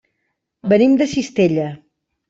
Venim de Cistella.